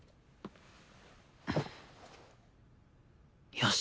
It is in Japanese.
よし！